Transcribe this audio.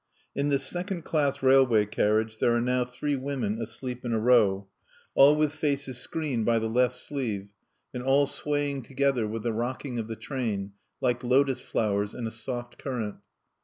In this second class railway carriage there are now three women asleep in a row, all with faces screened by the left sleeve, and all swaying together with the rocking of the train, like lotos flowers in a soft current.